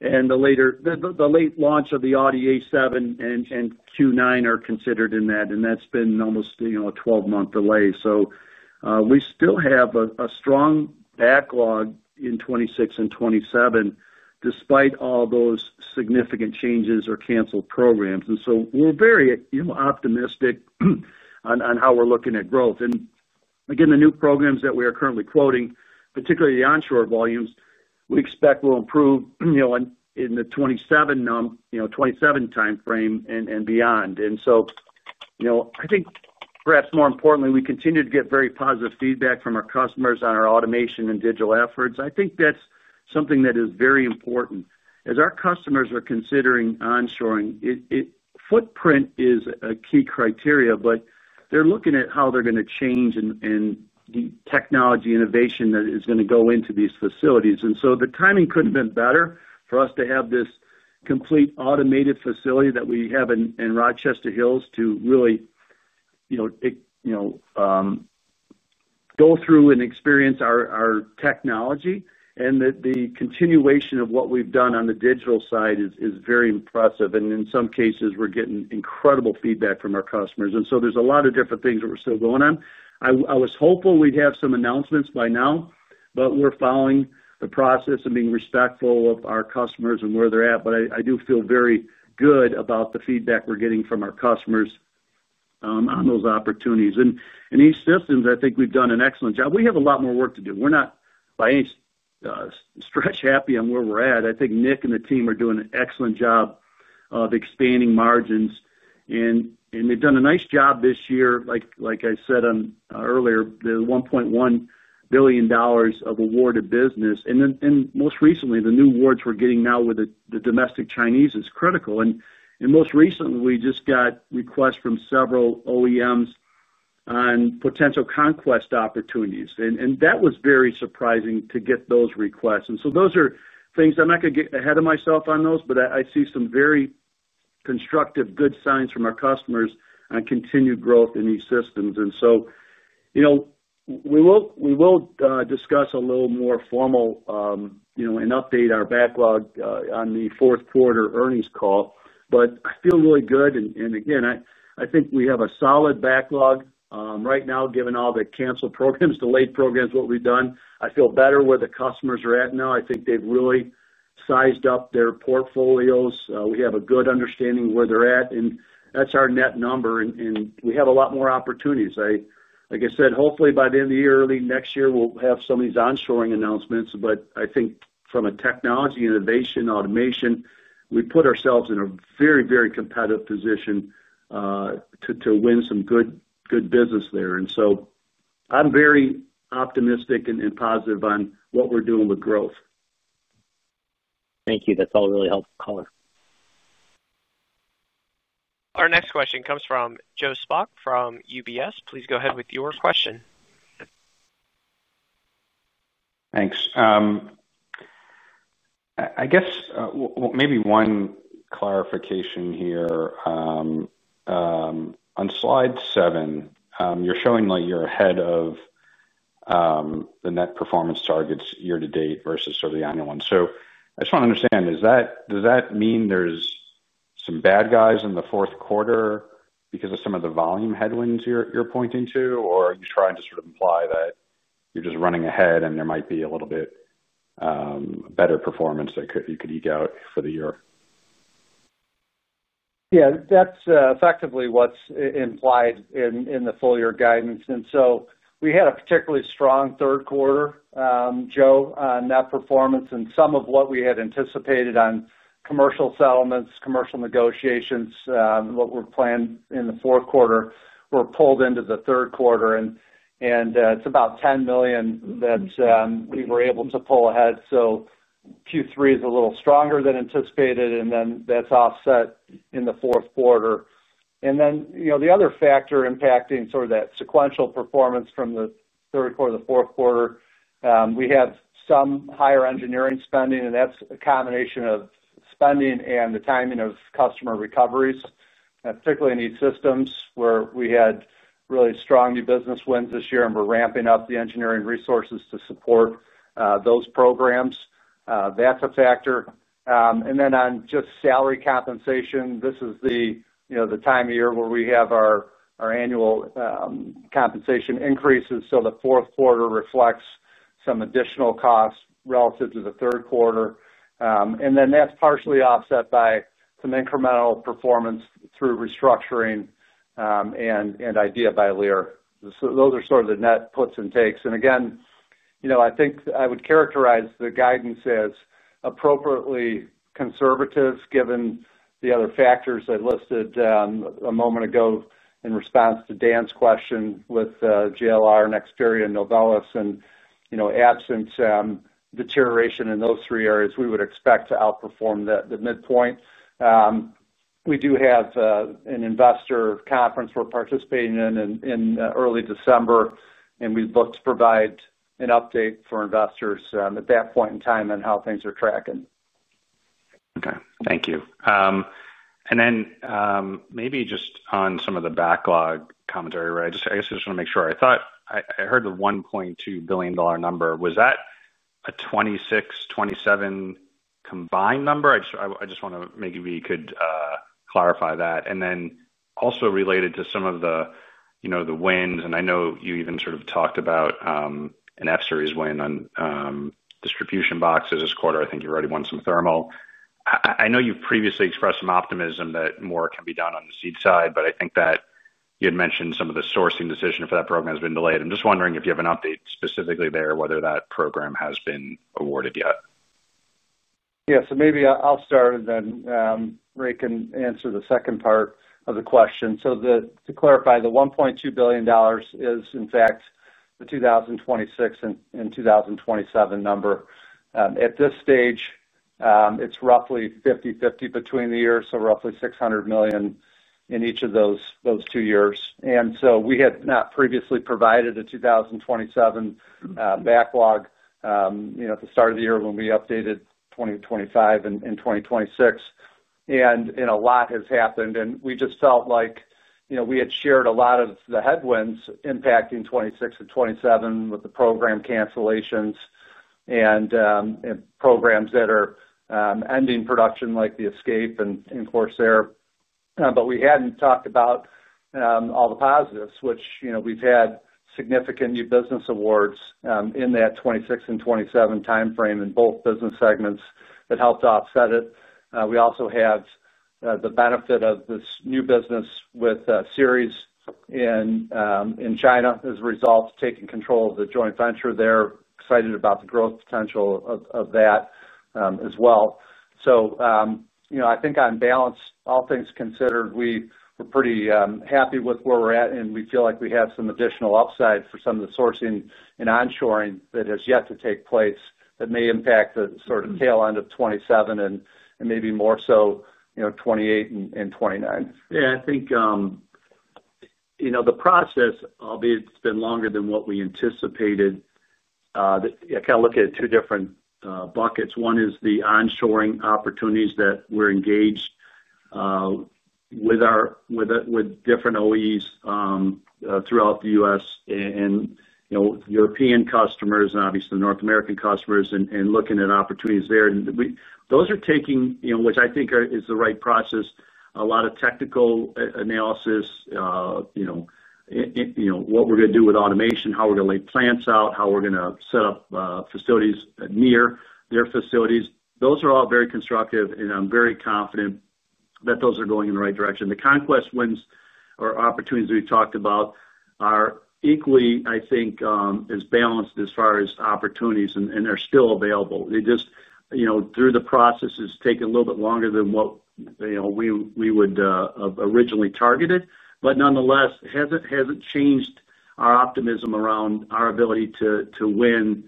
The late launch of the Audi A7 and Q9 are considered in that, and that's been almost a 12-month delay. We still have a strong backlog in 2026 and 2027, despite all those significant changes or canceled programs. We are very optimistic on how we're looking at growth. The new programs that we are currently quoting, particularly the onshore volumes, we expect will improve in the 2027 timeframe and beyond. I think, perhaps more importantly, we continue to get very positive feedback from our customers on our automation and digital efforts. I think that's something that is very important as our customers are considering onshoring. Footprint is a key criteria, but they're looking at how they're going to change and the technology innovation that is going to go into these facilities. The timing couldn't have been better for us to have this complete automated facility that we have in Rochester Hills to really go through and experience our technology. The continuation of what we've done on the digital side is very impressive, and in some cases, we're getting incredible feedback from our customers. There are a lot of different things that we're still going on. I was hopeful we'd have some announcements by now, but we're following the process and being respectful of our customers and where they're at. I do feel very good about the feedback we're getting from our customers on those opportunities. In E-Systems, I think we've done an excellent job. We have a lot more work to do. We're not, by any stretch, happy on where we're at. I think Nick and the team are doing an excellent job of expanding margins, and they've done a nice job this year. Like I said earlier, the $1.1 billion of awarded business, and most recently, the new awards we're getting now with the domestic Chinese is critical. Most recently, we just got requests from several OEMs on potential conquest opportunities, and that was very surprising to get those requests. Those are things I'm not going to get ahead of myself on, but I see some very constructive good signs from our customers on continued growth in E-Systems. We will discuss a little more formal and update our backlog on the fourth quarter earnings call. I feel really good, and again, I think we have a solid backlog right now, given all the canceled programs, delayed programs, what we've done. I feel better where the customers are at now. I think they've really sized up their portfolios. We have a good understanding of where they're at, and that's our net number. We have a lot more opportunities. Like I said, hopefully, by the end of the year, early next year, we'll have some of these onshoring announcements. I think from a technology innovation, automation, we put ourselves in a very, very competitive position to win some good business there. I'm very optimistic and positive on what we're doing with growth. Thank you. That's all really helpful, Colin. Our next question comes from Joe Spak from UBS. Please go ahead with your question. Thanks. I guess maybe one clarification here. On slide seven, you're showing that you're ahead of the net performance targets year-to-date versus sort of the annual one. I just want to understand, does that mean there's some bad guys in the fourth quarter because of some of the volume headwinds you're pointing to, or are you trying to sort of imply that you're just running ahead and there might be a little bit better performance that you could eke out for the year? Yeah, that's effectively what's implied in the full-year guidance. We had a particularly strong third quarter, Joe, on that performance. Some of what we had anticipated on commercial settlements, commercial negotiations, what were planned in the fourth quarter, were pulled into the third quarter. It is about $10 million that we were able to pull ahead. Q3 is a little stronger than anticipated, and that is offset in the fourth quarter. The other factor impacting that sequential performance from the third quarter to the fourth quarter is some higher engineering spending, and that is a combination of spending and the timing of customer recoveries, particularly in E-Systems where we had really strong new business wins this year and we are ramping up the engineering resources to support those programs. That is a factor. On salary compensation, this is the time of year where we have our annual compensation increases. The fourth quarter reflects some additional costs relative to the third quarter. That is partially offset by some incremental performance through restructuring and IDEA by Lear. Those are the net puts and takes. I would characterize the guidance as appropriately conservative given the other factors I listed a moment ago in response to Dan's question with JLR, Nexperia, Novelis, and absent deterioration in those three areas, we would expect to outperform the midpoint. We do have an investor conference we are participating in in early December, and we would love to provide an update for investors at that point in time on how things are tracking. Thank you. Maybe just on some of the backlog commentary, I just want to make sure I heard the $1.2 billion number. Was that a 2026, 2027 combined number? I just want to maybe we could clarify that. Also related to some of the wins, and I know you even talked about an F-series win on distribution boxes this quarter. I think you have already won some thermal. I know you have previously expressed some optimism that more can be done on the seat side, but I think that you had mentioned some of the sourcing decision for that program has been delayed. I am just wondering if you have an update specifically there, whether that program has been awarded yet. Yeah. Maybe I will start, and then Ray can answer the second part of the question. To clarify, the $1.2 billion is, in fact, the 2026 and 2027 number at this stage. It's roughly 50/50 between the years, so roughly $600 million in each of those two years. We had not previously provided a 2027 backlog at the start of the year when we updated 2025 and 2026. A lot has happened, and we just felt like we had shared a lot of the headwinds impacting 2026 and 2027 with the program cancellations and programs that are ending production like the Escape and Corsair, but we hadn't talked about all the positives, which we've had significant new business awards in that 2026 and 2027 timeframe in both business segments that helped offset it. We also have the benefit of this new business with Seres in China as a result of taking control of the joint venture there. Excited about the growth potential of that as well. I think on balance, all things considered, we were pretty happy with where we're at, and we feel like we have some additional upside for some of the sourcing and onshoring that has yet to take place that may impact the sort of tail end of 2027 and maybe more so 2028 and 2029. I think the process, albeit it's been longer than what we anticipated, I kind of look at it in two different buckets. One is the onshoring opportunities that we're engaged with different OEMs throughout the U.S. and European customers and obviously North American customers and looking at opportunities there. Those are taking, which I think is the right process, a lot of technical analysis. What we're going to do with automation, how we're going to lay plants out, how we're going to set up facilities near their facilities. Those are all very constructive, and I'm very confident that those are going in the right direction. The conquest wins or opportunities that we talked about are equally, I think, as balanced as far as opportunities, and they're still available. They just, through the process, have taken a little bit longer than what we would originally targeted. Nonetheless, it hasn't changed our optimism around our ability to win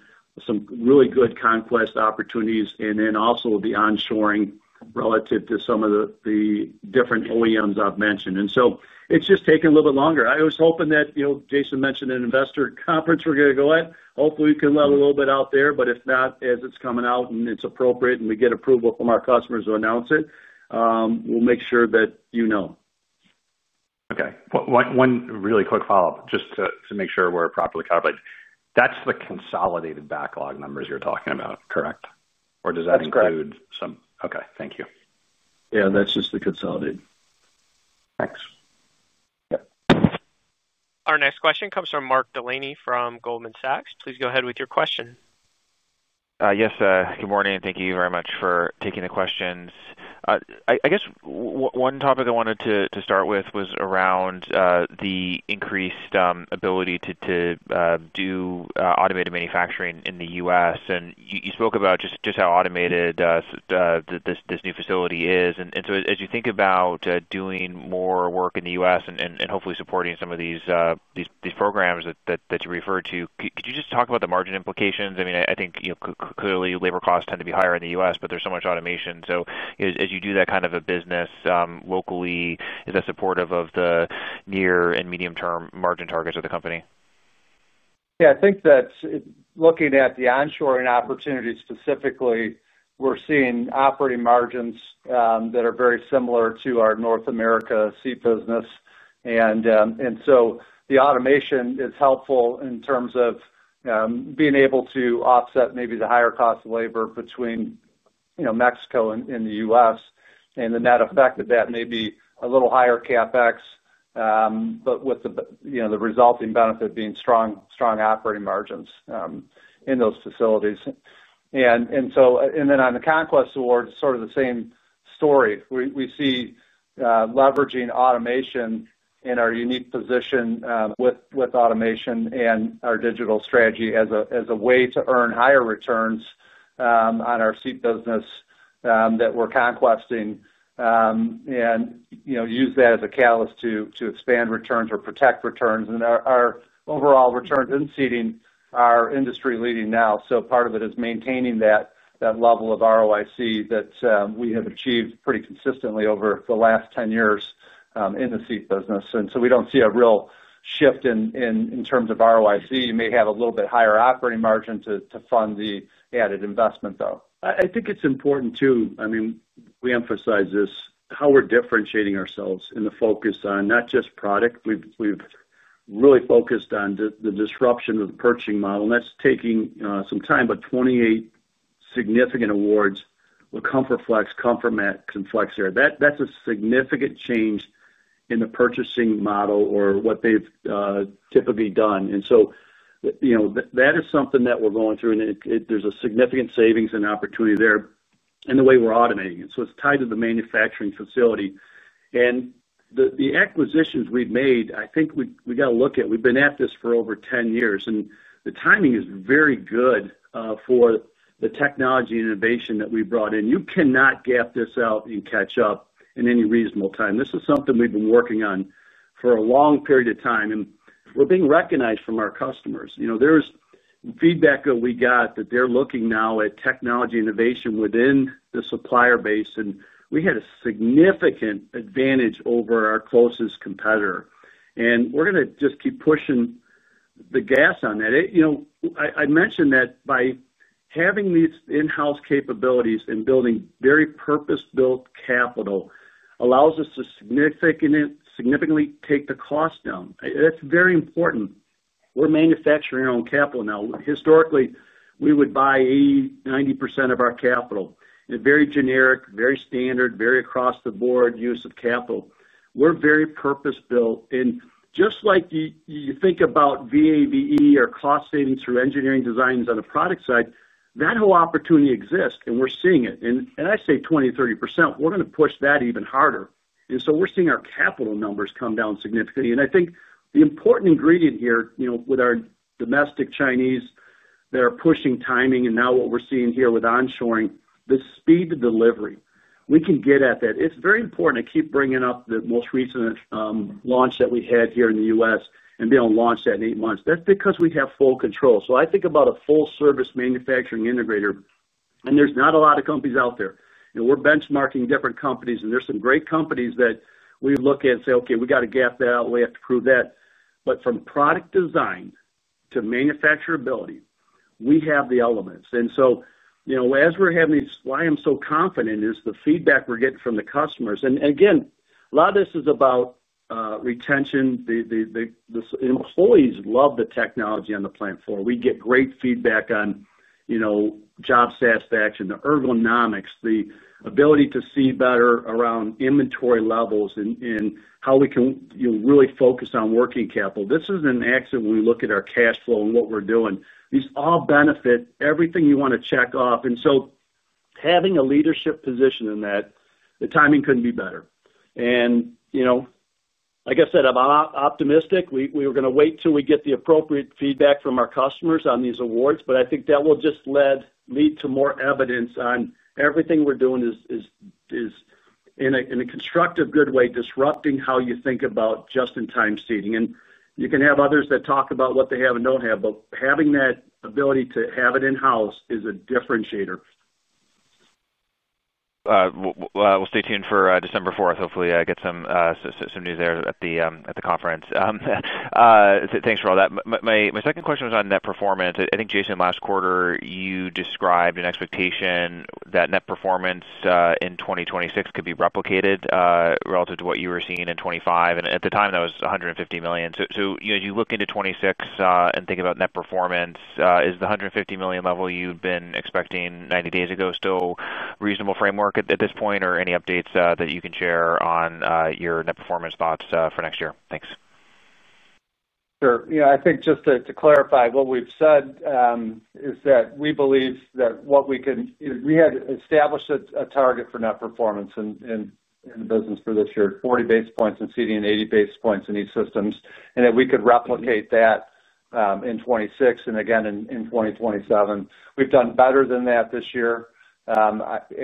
some really good conquest opportunities and then also the onshoring relative to some of the different OEMs I've mentioned. It's just taken a little bit longer. I was hoping that Jason mentioned an investor conference we're going to go at. Hopefully, we can level a little bit out there. If not, as it's coming out and it's appropriate and we get approval from our customers to announce it, we'll make sure that you know. Okay. One really quick follow-up just to make sure we're properly covered. That's the consolidated backlog numbers you're talking about, correct? Or does that include some? Correct. Okay. Thank you. Yeah. That's just the consolidated. Thanks. Yep. Our next question comes from Mark Delaney from Goldman Sachs. Please go ahead with your question. Yes. Good morning. Thank you very much for taking the questions. I guess one topic I wanted to start with was around the increased ability to do automated manufacturing in the U.S., and you spoke about just how automated this new facility is. As you think about doing more work in the U.S. and hopefully supporting some of these programs that you referred to, could you just talk about the margin implications? I mean, I think clearly labor costs tend to be higher in the U.S., but there's so much automation. As you do that kind of a business locally, is that supportive of the near and medium-term margin targets of the company? Yeah. I think that looking at the onshoring opportunity specifically, we're seeing operating margins that are very similar to our North America seat business. The automation is helpful in terms of being able to offset maybe the higher cost of labor between Mexico and the U.S., and in that effect, that may be a little higher CapEx, but with the resulting benefit being strong operating margins in those facilities. On the conquest awards, sort of the same story. We see leveraging automation in our unique position with automation and our digital strategy as a way to earn higher returns on our seat business that we're conquesting and use that as a catalyst to expand returns or protect returns. Our overall return in seating is industry leading now. Part of it is maintaining that level of ROIC that we have achieved pretty consistently over the last 10 years in the seat business. We don't see a real shift in terms of ROIC. You may have a little bit higher operating margin to fund the added investment, though. I think it's important too, I mean, we emphasize this, how we're differentiating ourselves in the focus on not just product. We've really focused on the disruption of the purchasing model, and that's taking some time, but 28 significant awards with ComfortFlex, ComfortMax, and FlexAir. That's a significant change in the purchasing model or what they've typically done. That is something that we're going through, and there's a significant savings and opportunity there in the way we're automating it. It's tied to the manufacturing facility. The acquisitions we've made, I think we got to look at. We've been at this for over 10 years, and the timing is very good for the technology innovation that we brought in. You cannot gap this out and catch up in any reasonable time. This is something we've been working on for a long period of time, and we're being recognized from our customers. There's feedback that we got that they're looking now at technology innovation within the supplier base, and we had a significant advantage over our closest competitor. We're going to just keep pushing the gas on that. I mentioned that by having these in-house capabilities and building very purpose-built capital allows us to significantly take the cost down. That's very important. We're manufacturing our own capital now. Historically, we would buy 80%-90% of our capital. Very generic, very standard, very across-the-board use of capital. We're very purpose-built. Just like you think about VAVE or cost savings through engineering designs on the product side, that whole opportunity exists, and we're seeing it. I say 20%-30%, we're going to push that even harder. We're seeing our capital numbers come down significantly. I think the important ingredient here with our domestic Chinese that are pushing timing and now what we're seeing here with onshoring, the speed to delivery, we can get at that. It's very important. I keep bringing up the most recent launch that we had here in the U.S. and being able to launch that in eight months. That's because we have full control. I think about a full-service manufacturing integrator, and there's not a lot of companies out there. We're benchmarking different companies, and there's some great companies that we look at and say, "Okay, we got to gap that out. We have to prove that." From product design to manufacturability, we have the elements. As we're having these, why I'm so confident is the feedback we're getting from the customers. Again, a lot of this is about retention. The employees love the technology on the plant floor. We get great feedback on job satisfaction, the ergonomics, the ability to see better around inventory levels, and how we can really focus on working capital. This is an exit when we look at our cash flow and what we're doing. These all benefit everything you want to check off. Having a leadership position in that, the timing couldn't be better. Like I said, I'm optimistic. We were going to wait till we get the appropriate feedback from our customers on these awards, but I think that will just lead to more evidence on everything we're doing is in a constructive good way, disrupting how you think about just-in-time seating. You can have others that talk about what they have and don't have, but having that ability to have it in-house is a differentiator. We'll stay tuned for December 4. Hopefully, I get some news there at the conference. Thanks for all that. My second question was on net performance. I think, Jason, last quarter, you described an expectation that net performance in 2026 could be replicated relative to what you were seeing in 2025. At the time, that was $150 million. As you look into 2026 and think about net performance, is the $150 million level you'd been expecting 90 days ago still a reasonable framework at this point, or any updates that you can share on your net performance thoughts for next year? Thanks. Sure. Yeah. I think just to clarify what we've said is that we believe that we had established a target for net performance in the business for this year, 40 basis points in seating and 80 basis points in E-Systems, and that we could replicate that in 2026 and again in 2027. We've done better than that this year.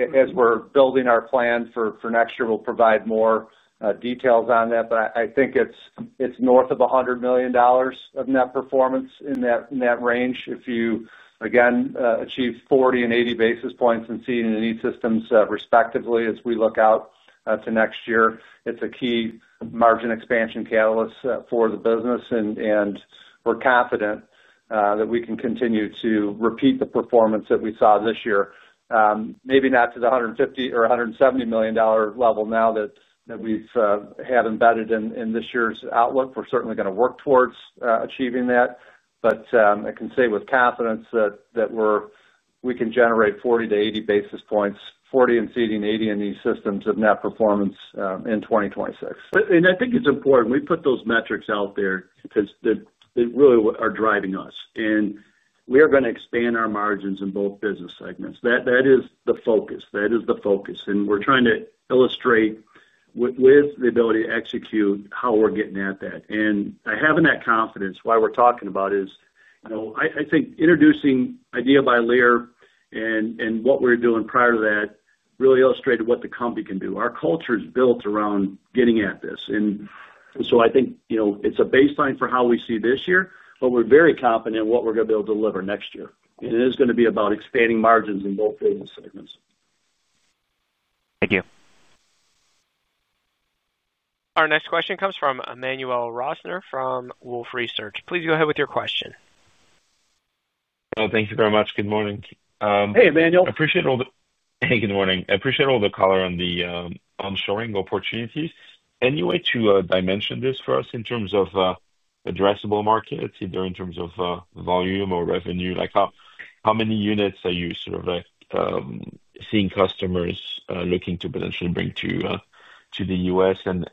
As we're building our plan for next year, we'll provide more details on that. I think it's north of $100 million of net performance in that range if you, again, achieve 40 basis points and 80 basis points in seating and E-Systems respectively as we look out to next year. It's a key margin expansion catalyst for the business, and we're confident that we can continue to repeat the performance that we saw this year. Maybe not to the $150 million or $170 million level now that we've had embedded in this year's outlook. We're certainly going to work towards achieving that. I can say with confidence that we can generate 40 basis points-80 basis points, 40 basis points in seating, 80 basis points in E-Systems of net performance in 2026. I think it's important we put those metrics out there because they really are driving us. We are going to expand our margins in both business segments. That is the focus. That is the focus. We're trying to illustrate with the ability to execute how we're getting at that. Having that confidence, why we're talking about it is, I think introducing IDEA by Lear and what we were doing prior to that really illustrated what the company can do. Our culture is built around getting at this. I think it's a baseline for how we see this year, but we're very confident in what we're going to be able to deliver next year. It is going to be about expanding margins in both business segments. Thank you. Our next question comes from Emmanuel Rosner from Wolfe Research. Please go ahead with your question. Thank you very much. Good morning. Hey, Emmanuel. I appreciate all the—Hey, good morning. I appreciate all the call around the onshoring opportunities. Any way to dimension this for us in terms of addressable markets, either in terms of volume or revenue? How many units are you sort of seeing customers looking to potentially bring to the U.S., and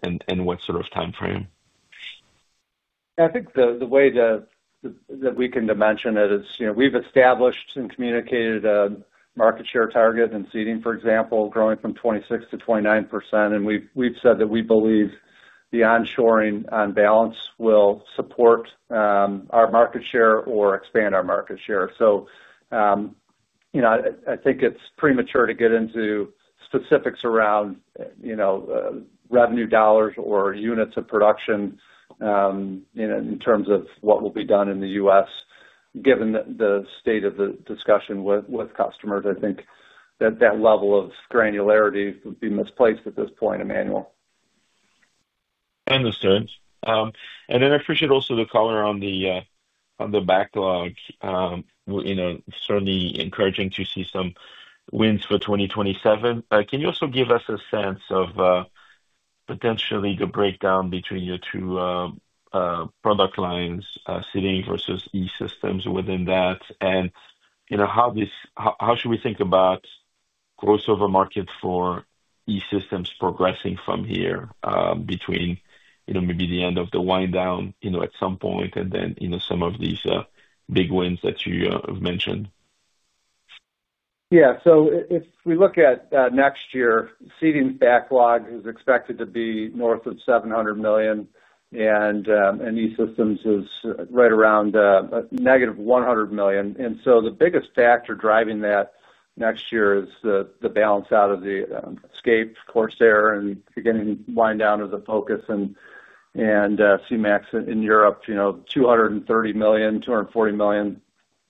what sort of timeframe? I think the way that we can dimension it is we've established and communicated a market share target in seating, for example, growing from 26% to 29%. We've said that we believe the onshoring on balance will support our market share or expand our market share. I think it's premature to get into specifics around revenue dollars or units of production in terms of what will be done in the U.S., given the state of the discussion with customers. I think that level of granularity would be misplaced at this point, Emmanuel. Understood. I appreciate also the color on the backlog. Certainly encouraging to see some wins for 2027. Can you also give us a sense of potentially the breakdown between your two product lines, seating versus E-Systems within that, and how should we think about gross over market for E-Systems progressing from here between maybe the end of the wind down at some point and then some of these big wins that you have mentioned? Yeah. If we look at next year, seating backlog is expected to be north of $700 million, and E-Systems is right around negative $100 million. The biggest factor driving that next year is the balance out of the Escape, Corsair, and beginning wind down of the Focus and C-MAX in Europe, $230 million, $240 million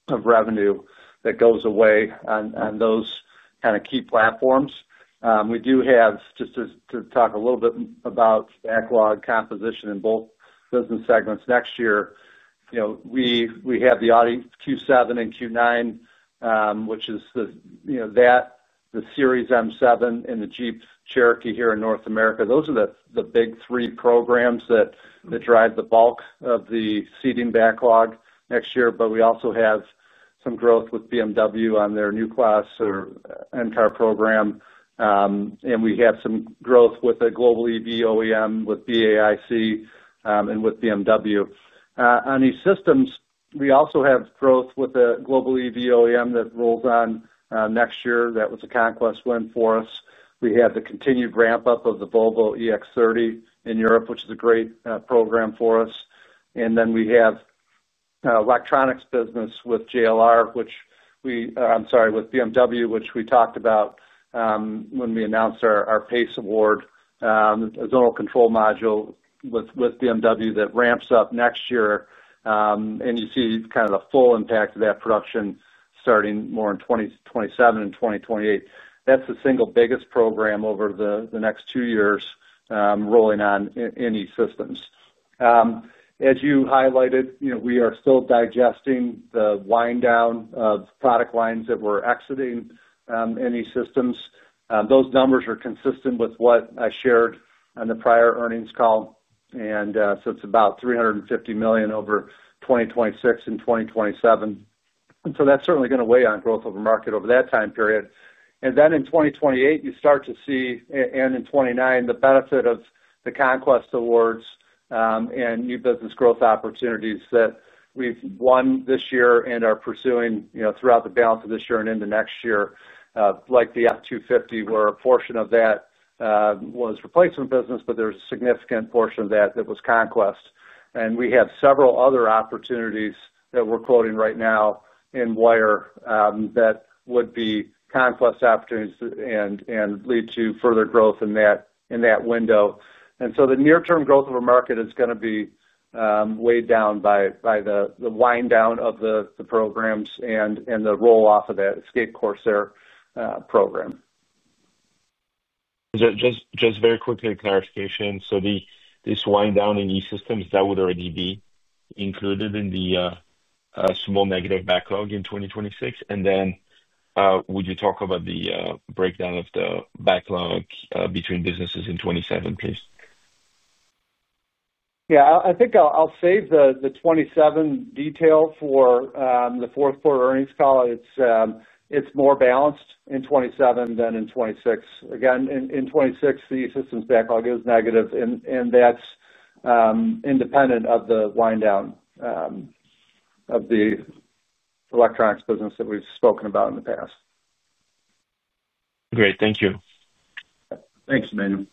of revenue that goes away on those kind of key platforms. We do have, just to talk a little bit about backlog composition in both business segments next year, the Audi Q7 and Q9, the Seres M7, and the Jeep Cherokee here in North America. Those are the big three programs that drive the bulk of the seating backlog next year. We also have some growth with BMW on their New Class or NCAR program, and we have some growth with a global EV OEM with BAIC and with BMW. On E-Systems, we also have growth with a global EV OEM that rolls on next year. That was a conquest win for us. We have the continued ramp-up of the Volvo EX30 in Europe, which is a great program for us. We have electronics business with BMW, which we talked about when we announced our PACE award. A zonal control module with BMW that ramps up next year, and you see the full impact of that production starting more in 2027 and 2028. That is the single biggest program over the next two years rolling on E-Systems. As you highlighted, we are still digesting the wind down of product lines that we're exiting in E-Systems. Those numbers are consistent with what I shared on the prior earnings call, and so it's about $350 million over 2026 and 2027. That is certainly going to weigh on growth of the market over that time period. In 2028, and in 2029, you start to see the benefit of the Conquest Awards and new business growth opportunities that we've won this year and are pursuing throughout the balance of this year and into next year, like the F-250, where a portion of that was replacement business, but there's a significant portion of that that was conquest. We have several other opportunities that we're quoting right now in Wire that would be conquest opportunities and lead to further growth in that window. The near-term growth of the market is going to be weighed down by the wind down of the programs and the roll-off of that Escape Corsair program. Just very quickly, a clarification. This wind down in E-Systems would already be included in the small negative backlog in 2026. Would you talk about the breakdown of the backlog between businesses in 2027, please? Yeah. I think I'll save the 2027 detail for the fourth quarter earnings call. It's more balanced in 2027 than in 2026. In 2026, the E-Systems backlog is negative, and that's independent of the wind down of the electronics business that we've spoken about in the past. Great. Thank you. Thanks, Emmanuel.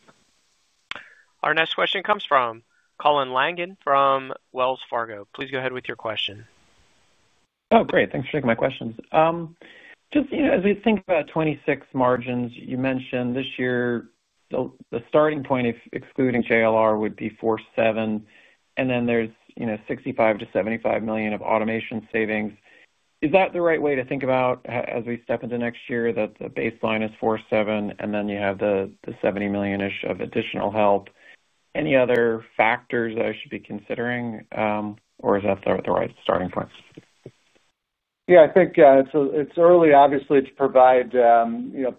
Our next question comes from Colin Langan from Wells Fargo. Please go ahead with your question. Oh, great. Thanks for taking my questions. Just as we think about 2026 margins, you mentioned this year. The starting point, excluding JLR, would be 4.7%, and then there's $65 million to $75 million of automation savings. Is that the right way to think about as we step into next year, that the baseline is 4.7%, and then you have the $70 million-ish of additional help? Any other factors that I should be considering, or is that the right starting point? Yeah. I think it's early, obviously, to provide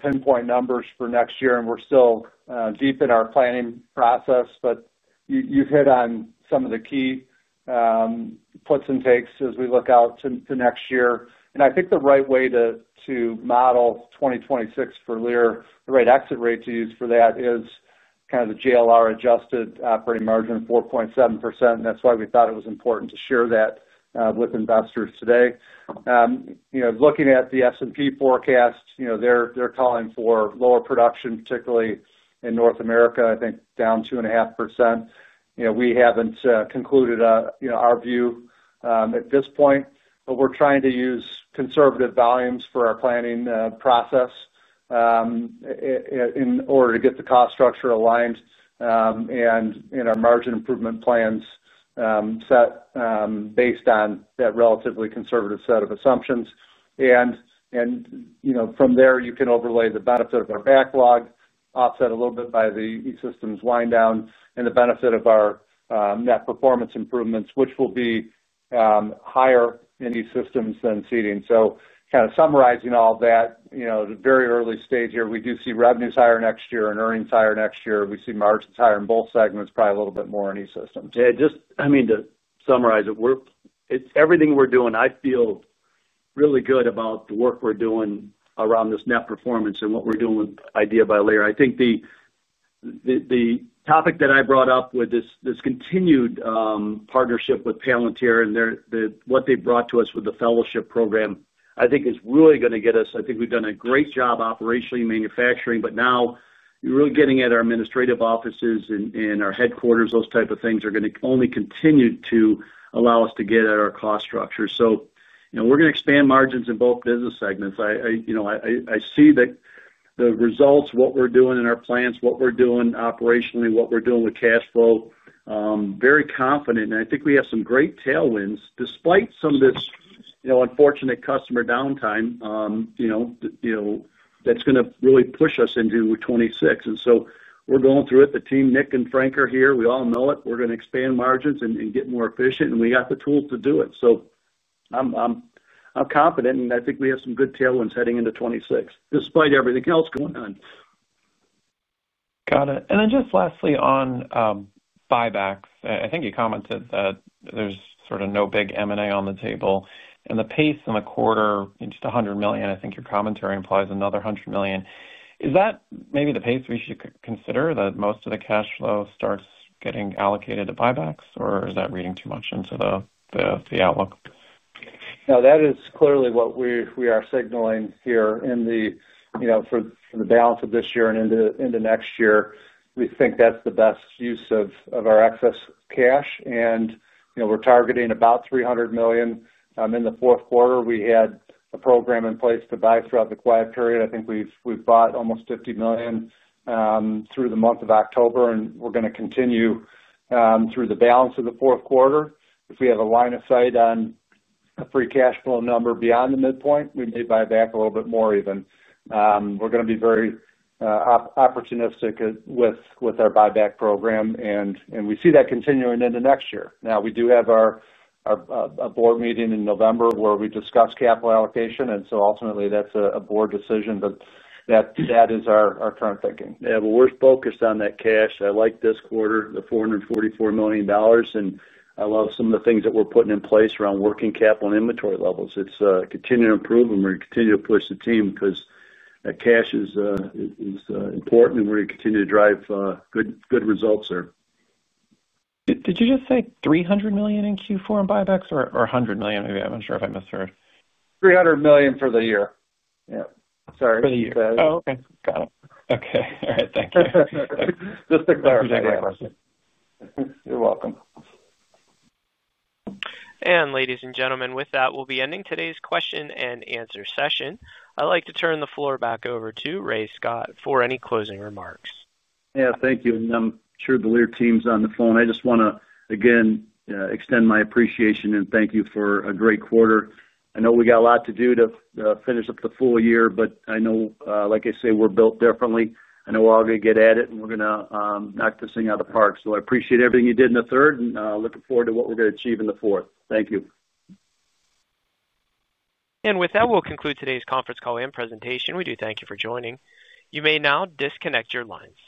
pinpoint numbers for next year, and we're still deep in our planning process. You hit on some of the key puts and takes as we look out to next year. I think the right way to model 2026 for Lear, the right exit rate to use for that is kind of the JLR-adjusted operating margin, 4.7%. That's why we thought it was important to share that with investors today. Looking at the S&P forecast, they're calling for lower production, particularly in North America, I think down 2.5%. We haven't concluded our view at this point, but we're trying to use conservative volumes for our planning process in order to get the cost structure aligned and our margin improvement plans set based on that relatively conservative set of assumptions. From there, you can overlay the benefit of our backlog, offset a little bit by the E-Systems wind down, and the benefit of our net performance improvements, which will be higher in E-Systems than Seating. Summarizing all that, at the very early stage here, we do see revenues higher next year and earnings higher next year. We see margins higher in both segments, probably a little bit more in E-Systems. Yeah. Just, I mean, to summarize it, everything we're doing, I feel really good about the work we're doing around this net performance and what we're doing with IDEA by Lear. I think the topic that I brought up with this continued partnership with Palantir and what they brought to us with the Lear fellowship program, I think, is really going to get us—I think we've done a great job operationally manufacturing, but now we're really getting at our administrative offices and our headquarters. Those types of things are going to only continue to allow us to get at our cost structure. We're going to expand margins in both business segments. I see the results, what we're doing in our plans, what we're doing operationally, what we're doing with cash flow. Very confident. I think we have some great tailwinds despite some of this unfortunate customer downtime. That's going to really push us into 2026. We're going through it. The team, Nick and Frank, are here. We all know it. We're going to expand margins and get more efficient. We got the tools to do it. I'm confident, and I think we have some good tailwinds heading into 2026 despite everything else going on. Got it. Lastly, on buybacks, I think you commented that there's sort of no big M&A on the table. The pace in the quarter, just $100 million, I think your commentary implies another $100 million. Is that maybe the pace we should consider, that most of the cash flow starts getting allocated to buybacks, or is that reading too much into the outlook? No, that is clearly what we are signaling here for the balance of this year and into next year. We think that's the best use of our excess cash. We're targeting about $300 million. In the fourth quarter, we had a program in place to buy throughout the quiet period. I think we've bought almost $50 million through the month of October, and we're going to continue through the balance of the fourth quarter. If we have a line of sight on a free cash flow number beyond the midpoint, we may buy back a little bit more even. We're going to be very opportunistic with our buyback program, and we see that continuing into next year. We do have our board meeting in November where we discuss capital allocation. Ultimately, that's a board decision, but that is our current thinking. We're focused on that cash. I like this quarter, the $444 million, and I love some of the things that we're putting in place around working capital and inventory levels. It's continuing to improve, and we're going to continue to push the team because cash is important, and we're going to continue to drive good results there. Did you just say $300 million in Q4 in buybacks, or $100 million maybe? I'm not sure if I misheard. $300 million for the year. Yeah. Sorry. For the year. Oh, okay. Got it. Okay. All right. Thank you. Just to clarify. You're welcome. Ladies and gentlemen, with that, we'll be ending today's question-and-answer session. I'd like to turn the floor back over to Ray Scott for any closing remarks. Thank you. I'm sure the Lear team's on the phone. I just want to, again, extend my appreciation and thank you for a great quarter. I know we got a lot to do to finish up the full year, but I know, like I say, we're built differently. I know we're all going to get at it, and we're going to knock this thing out of the park. I appreciate everything you did in the third, and I'm looking forward to what we're going to achieve in the fourth. Thank you. With that, we'll conclude today's conference call and presentation. We do thank you for joining. You may now disconnect your lines.